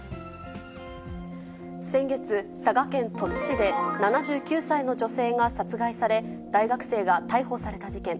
先月、佐賀県鳥栖市で７９歳の女性が殺害され、大学生が逮捕された事件。